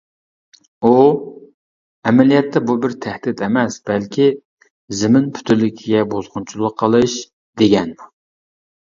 ئۇ: « ئەمەلىيەتتە بۇ بىر تەھدىت ئەمەس، بەلكى زېمىن پۈتۈنلۈكىگە بۇزغۇنچىلىق قىلىش » دېگەن.